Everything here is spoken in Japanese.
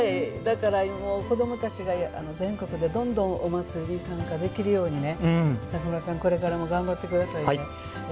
だから子どもたちが全国でどんどんお祭りに参加できるように中村さんこれからも頑張ってください。